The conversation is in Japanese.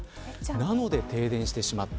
なので停電してしまった。